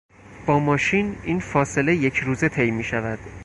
با ماشین این فاصله یکروزه طی میشود.